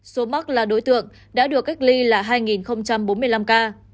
số mắc là đối tượng đã được cách ly là hai bốn mươi năm ca